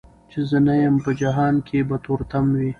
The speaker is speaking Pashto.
چي زه نه یم په جهان کي به تور تم وي